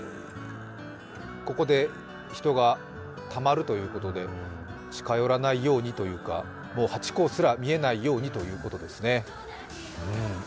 ここで人がたまるということで近寄らないようにというかもうハチ公すら見えないようにということですね。